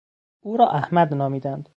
او را احمد نامیدند.